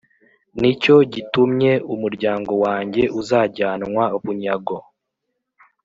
Ni cyo gitumye umuryango wanjye uzajyanwa bunyago,